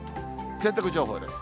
洗濯情報です。